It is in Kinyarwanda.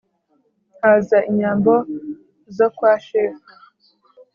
haza inyambo zo kwa shefu